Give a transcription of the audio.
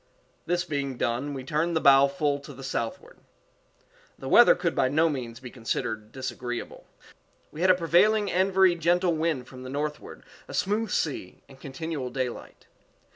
This being done, we turned the bow full to the southward. The weather could by no means be considered disagreeable. We had a prevailing and very gentle wind from the northward, a smooth sea, and continual daylight.